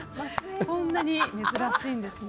そんなに珍しいんですね